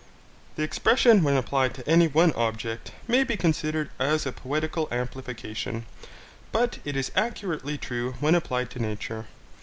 The expression, when applied to any one object, may be considered as a poetical amplification, but it is accurately true when applied to nature.